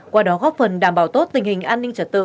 qua đó góp phần đảm bảo tốt tình hình an ninh trật tự